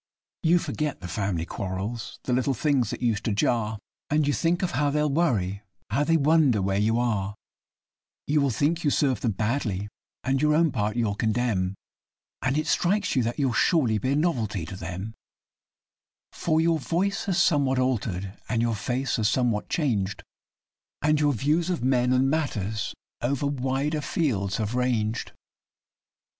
You forget the family quarrels little things that used to jar And you think of how they'll worry how they wonder where you are; You will think you served them badly, and your own part you'll condemn, And it strikes you that you'll surely be a novelty to them, For your voice has somewhat altered, and your face has somewhat changed And your views of men and matters over wider fields have ranged.